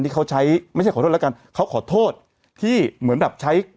ที่เขาใช้ไม่ใช่ขอโทษแล้วกันเขาขอโทษที่เหมือนแบบใช้